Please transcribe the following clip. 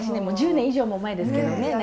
もう１０年以上も前ですけどね。